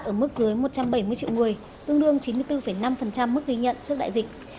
ở mức dưới một trăm bảy mươi triệu người tương đương chín mươi bốn năm mức ghi nhận trước đại dịch